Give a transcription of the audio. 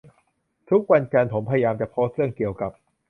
ทุกวันจันทร์ผมพยายามจะโพสเรื่องเกี่ยวกับ